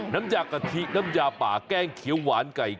น้ำยากะทิน้ำยาป่าแกงเขียวหวานไก่